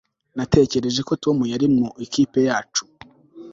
Natekereje ko Tom yari mu ikipe yacu